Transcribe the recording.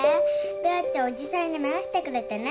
べあちゃんおじさんが直してくれてね